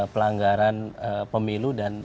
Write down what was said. pelanggaran pemilu dan